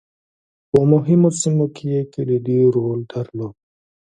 په مهمو سیمو کې یې کلیدي رول درلود.